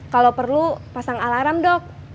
kalau perlu pasang alarm dok